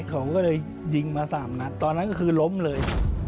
เขาก็เลยยิงมา๓นัดตอนนั้นก็คือล้มเลย